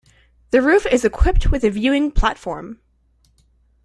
The roof is equipped with a viewing platform.